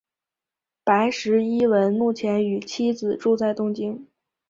白石一文目前与妻子住在东京。